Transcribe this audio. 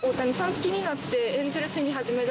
好きになって、エンゼルス見始めた。